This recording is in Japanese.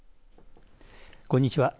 こんにちは。